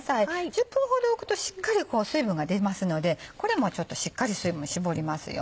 １０分ほど置くとしっかり水分が出ますのでこれもしっかり水分絞りますよ。